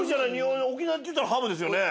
沖縄っていったらハブですよね。